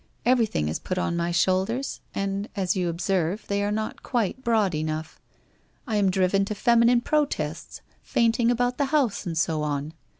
Everything is put on my shoulders and as you observe, they are not quite broad enough. I am driven to feminine protests — fainting about the house and so on.